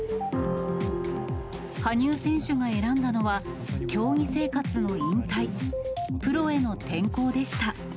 羽生選手が選んだのは、競技生活の引退、プロへの転向でした。